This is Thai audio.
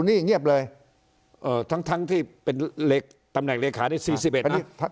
เงียบเลยเออทั้งทั้งที่เป็นเล็กตำแหน่งเหลือยด้านซีสิบเอ็ด